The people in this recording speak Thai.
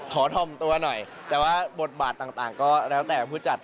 ถ่อมตัวหน่อยแต่ว่าบทบาทต่างก็แล้วแต่ผู้จัด